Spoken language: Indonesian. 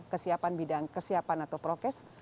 kesiapan bidang kesiapan atau prokes